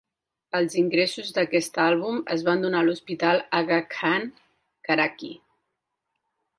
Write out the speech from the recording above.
Els ingressos d'aquest àlbum es van donar a l'hospital Aga Khan, Karachi.